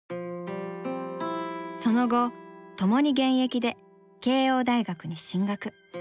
その後共に現役で慶應大学に進学。